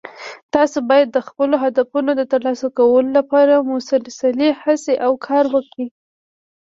تاسو باید د خپلو هدفونو د ترلاسه کولو لپاره مسلسلي هڅې او کار وکړئ